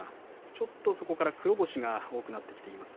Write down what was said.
ちょっとそこから黒星が多くなってきています。